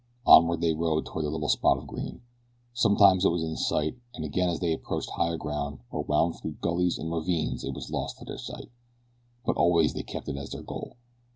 Onward they rode toward the little spot of green. Sometimes it was in sight and again as they approached higher ground, or wound through gullies and ravines it was lost to their sight; but always they kept it as their goal.